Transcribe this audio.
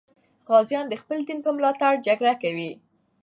غازیان د خپل دین په ملاتړ جګړه کوي.